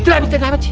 selambetan apa sih